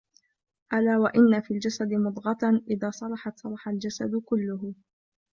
أَلاَ وَإِنَّ فِي الْجَسَدِ مُضْغَةً إِذَا صَلَحَتْ صَلَحَ الْجَسَدُ كُلُّهُ